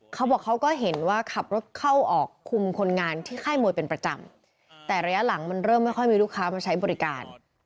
เขาบอกเขาก็เห็นว่าขับรถเข้าออกคุมคนงานที่ค่ายมวยเป็นประจำแต่ระยะหลังมันเริ่มไม่ค่อยมีลูกค้ามาใช้บริการ